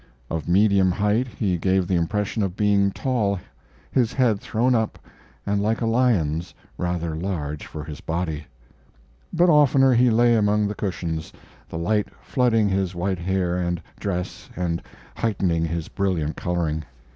Of medium height, he gave the impression of being tall his head thrown up, and like a lion's, rather large for his body. But oftener he lay among the cushions, the light flooding his white hair and dress and heightening his brilliant coloring.